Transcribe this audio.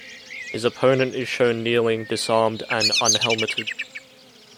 His opponent is shown kneeling, disarmed and unhelmeted.